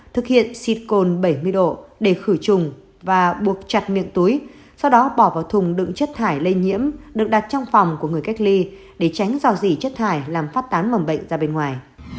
thực hiện xịt cồn bảy mươi độ để khử trùng và buộc chặt miệng túi sau đó bỏ vào thùng đựng chất thải lây nhiễm được đặt trong phòng của người cách ly để tránh dò dỉ chất thải làm phát tán mầm bệnh ra bên ngoài